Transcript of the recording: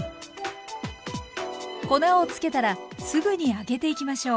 粉をつけたらすぐに揚げていきましょう。